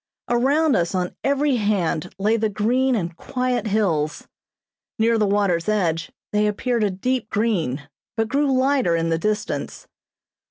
Around us on every hand lay the green and quiet hills. Near the waters' edge they appeared a deep green, but grew lighter in the distance.